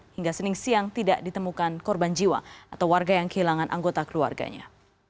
hingga senin siang tidak ditemukan korban jiwa atau warga yang kehilangan anggota keluarganya